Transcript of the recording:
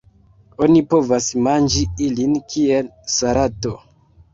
Oni povas manĝi ilin kiel salato.